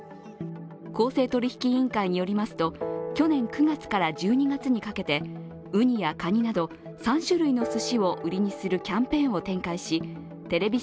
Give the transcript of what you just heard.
公正取引委員会によりますと、去年９月から１２月にかけてウニやカニなど３種類のすしを売りにするキャンペーンを展開しテレビ